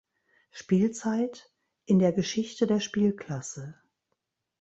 Spielzeit in der Geschichte der Spielklasse.